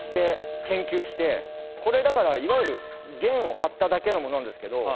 これだからいわゆる弦を張っただけの物なんですけど。